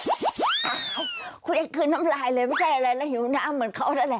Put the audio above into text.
อาวุธจะคืนน้ำลายเลยไม่ใช่อะไรนะหิวหน้าเหมือนเค้าได้เลย